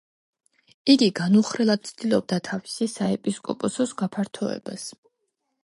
იგი განუხრელად ცდილობდა თავისი საეპისკოპოსოს გაფართოებას.